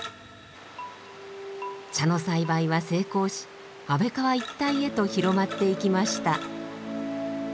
茶の栽培は成功し安倍川一帯へと広まっていきました。